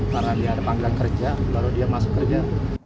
karena dia ada panggilan kerja baru dia masuk kerja